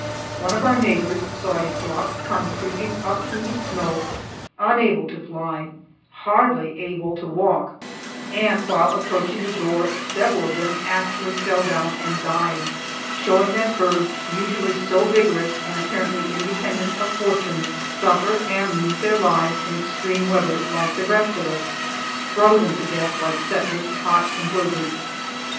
One of our neighbors saw a flock come creeping up through the snow, unable to fly, hardly able to walk, and while approaching the door several of them actually fell down and died; showing that birds, usually so vigorous and apparently independent of fortune, suffer and lose their lives in extreme weather like the rest of us, frozen to death like settlers caught in blizzards.